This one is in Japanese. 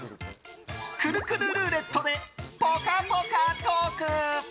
くるくるルーレットでぽかぽかトーク！